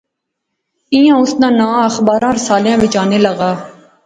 ایہھاں اس ناں ناں اخباریں رسالیا وچ اینے لاغا